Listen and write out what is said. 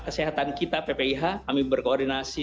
kesehatan kita ppih kami berkoordinasi